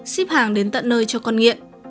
xếp hàng đến tận nơi cho con nghiện